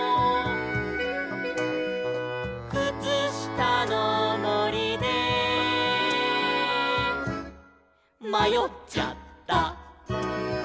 「くつしたのもりでまよっちゃった」